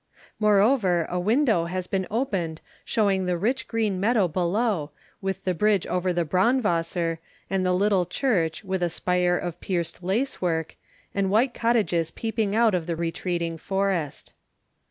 Moreover, a window has been opened showing the rich green meadow below, with the bridge over the Braunwasser, and the little church, with a spire of pierced lace work, and white cottages peeping out of the retreating forest.